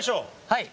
はい！